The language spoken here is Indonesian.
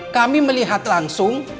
kami melihat langsung